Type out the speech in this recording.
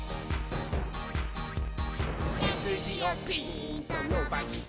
「せすじをピーンとのばして」